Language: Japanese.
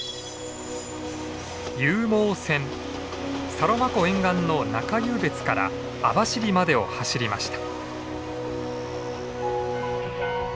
サロマ湖沿岸の中湧別から網走までを走りました。